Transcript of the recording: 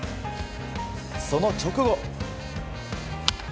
その直後。